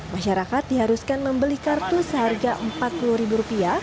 masyarakat diharuskan membeli kartu seharga rp empat puluh